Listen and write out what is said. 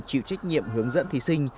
chịu trách nhiệm hướng dẫn thí sinh